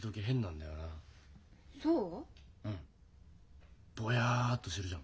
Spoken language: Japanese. そう？